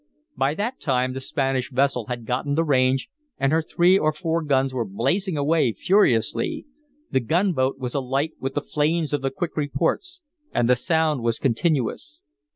By that time the Spanish vessel had gotten the range, and her three or four guns were blazing away furiously. The gunboat was alight with the flames of the quick reports, and the sound was continuous.